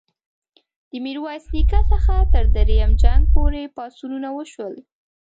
د میرویس نیکه څخه تر دریم جنګ پوري پاڅونونه وشول.